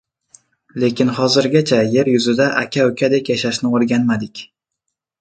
Lekin hozirgacha yer yuzida aka-ukadek yashashni o‘rganmadik.